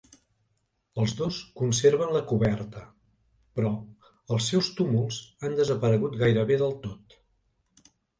Els dos conserven la coberta, però els seus túmuls han desaparegut gairebé del tot.